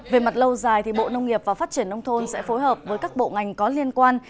về mặt lâu dài bộ nông nghiệp và phát triển nông thôn sẽ phối hợp với các bộ ngành có liên quan